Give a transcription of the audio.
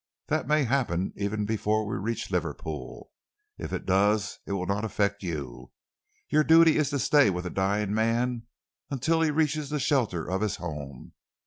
That may happen even before we reach Liverpool. If it does, it will not affect you. Your duty is to stay with a dying man until he reaches the shelter of his home.